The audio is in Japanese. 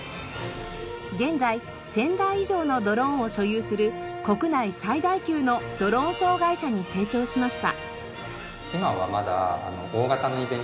現在１０００台以上のドローンを所有する国内最大級のドローンショー会社に成長しました。